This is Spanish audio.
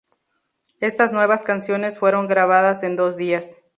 Estas nuevas canciones fueron grabadas en dos días.